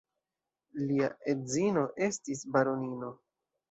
Lia edzino estis baronino.